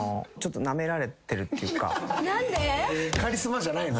カリスマじゃないの？